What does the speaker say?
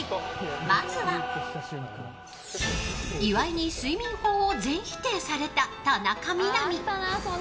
まずは、岩井に睡眠法を全否定された、田中みな実。